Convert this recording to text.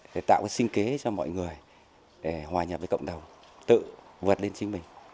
để tạo cái sinh kế cho mọi người để hòa nhập với cộng đồng tự vật lên chính mình